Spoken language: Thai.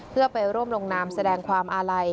เพื่อไปร่วมลงนามแสดงความอาลัย